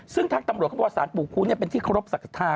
ซึ่งทางตำรวจเขาบอกว่าสารปู่คูณเป็นที่เคารพสักทา